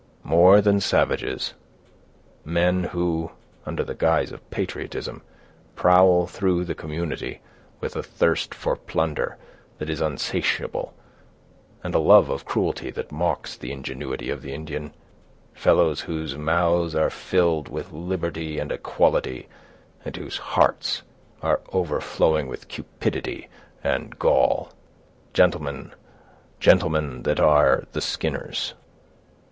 "More than savages; men who, under the guise of patriotism, prowl through the community, with a thirst for plunder that is unsatiable, and a love of cruelty that mocks the ingenuity of the Indian—fellows whose mouths are filled with liberty and equality, and whose hearts are overflowing with cupidity and gall—gentlemen that are yclep'd the Skinners."